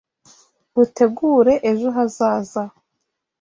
Mutegure ejohazaza.